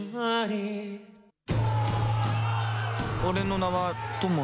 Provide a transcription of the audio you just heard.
俺の名は、友魚。